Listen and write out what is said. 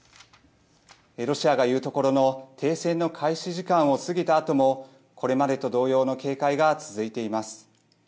ロシアが言うところの停戦の開始時間を過ぎたあともこれまでと同様の警戒が続いています。